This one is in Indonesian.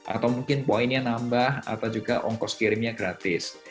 atau mungkin poinnya nambah atau juga ongkos kirimnya gratis